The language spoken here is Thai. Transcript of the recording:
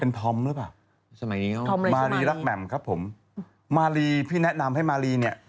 เป็นพร้อมหรือเปล่ามารีรักแหม่มครับผมพี่แนะนำให้มารีเนี่ย